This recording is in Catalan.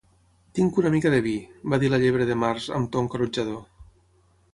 "Tinc una mica de vi" va dir la Llebre de Març, amb to encoratjador.